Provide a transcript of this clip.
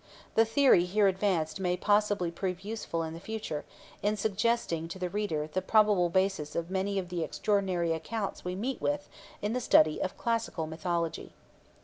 The theory here advanced may possibly prove useful in the future, in suggesting to the reader the probable basis of many of the extraordinary accounts we meet with in the study of classical mythology.